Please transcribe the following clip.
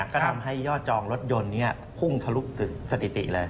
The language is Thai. ก็ทำให้ยอดจองรถยนต์นี้พุ่งทะลุสถิติเลย